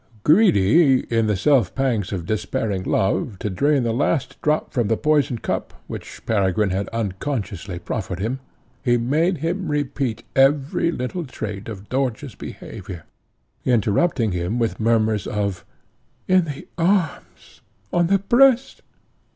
Greedy, in the self pangs of despairing love, to drain the last drop from the poison cup, which Peregrine had unconsciously proffered him, he made him repeat every little trait of Dörtje's behaviour, interrupting him with murmurs of "In the arms! on the breast!